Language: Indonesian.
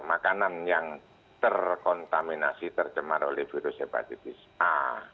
makanan yang terkontaminasi tercemar oleh virus hepatitis a